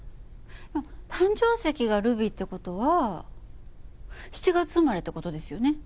誕生石がルビーって事は７月生まれって事ですよね？